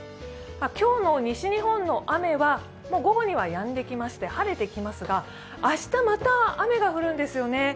今日の西日本の雨は午後にはやんで晴れてきますが明日、また雨が降るんですよね。